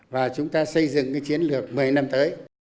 và chúng ta xây dựng cái chiến lược một mươi năm tới